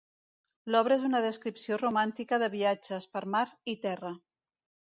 L'obra és una descripció romàntica de viatges, per mar i terra.